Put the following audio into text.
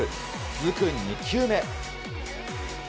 続く２球目。